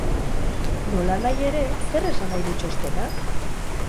Nolanahi ere, zer esan nahi du txostenak?